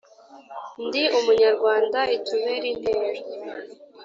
ndi umunyarwanda itubere intero